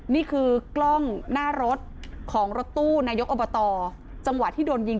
นี่คือกล้องหน้ารถของรถตู้นายกอบตจังหวะที่โดนยิง